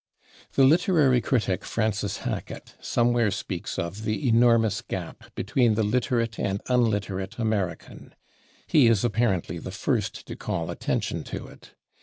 The literary critic, Francis Hackett, somewhere speaks of "the enormous gap between the literate and unliterate American." He is apparently the first to call attention to it.